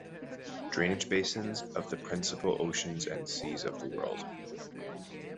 Drainage basins of the principal oceans and seas of the world.